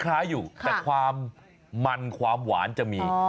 คล้ายอยู่แต่ความมันความหวานจะมี